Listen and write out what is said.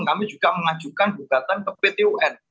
kami juga mengajukan gugatan ke pt un